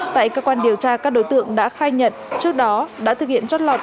tại cơ quan điều tra các đối tượng đã khai nhận trước đó đã thực hiện chót lọt